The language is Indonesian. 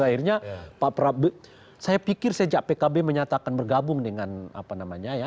akhirnya pak prabowo saya pikir sejak pkb menyatakan bergabung dengan apa namanya ya